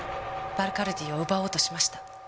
ヴァルカルデイを奪おうとしました。